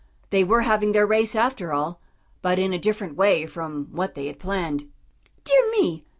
They were having their race, after all, but in a different way from what they had planned. "Dear me!